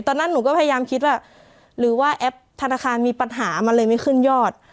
ตอนนั้นหนูก็พยายามคิดว่าหรือว่าแอปธนาคารมีปัญหามันเลยไม่ขึ้นยอด